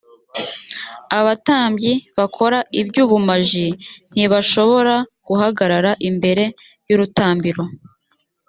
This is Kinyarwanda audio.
abatambyi bakora iby’ ubumaji ntibashobora guhagarara imbere y’urutambiro